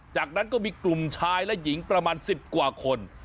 จากนั้นก็มีกลุ่มชายและหญิงประมาณ๑๐กว่าคน